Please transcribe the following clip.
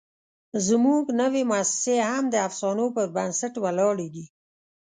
زموږ نوې موسسې هم د افسانو پر بنسټ ولاړې دي.